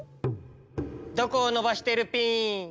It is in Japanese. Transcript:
どこをのばしてるピン！